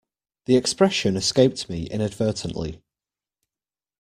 The expression escaped me inadvertently.